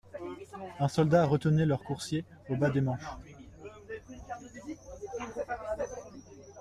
Un soldat retenait leurs coursiers au bas des marches.